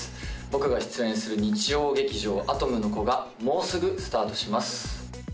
僕が出演する日曜劇場「アトムの童」がもうすぐスタートします